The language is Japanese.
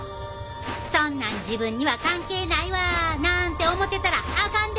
そんなん自分には関係ないわなんて思てたらあかんで！